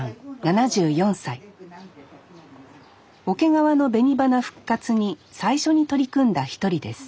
桶川の紅花復活に最初に取り組んだ一人です